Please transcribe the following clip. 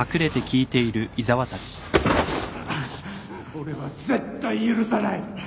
俺は絶対許さない。